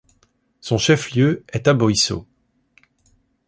Son chef-lieu est Aboisso.